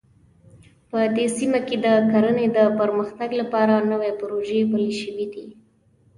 په دې سیمه کې د کرنې د پرمختګ لپاره نوې پروژې پلې شوې دي